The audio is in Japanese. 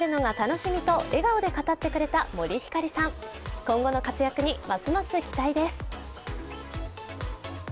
今後の活躍にますます期待です。